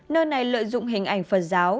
nơi này lợi dụng hình ảnh phật giáo